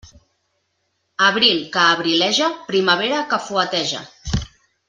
Abril que abrileja, primavera que fueteja.